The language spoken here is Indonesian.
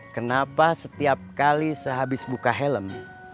kenapa setiap kali sehabis buka helm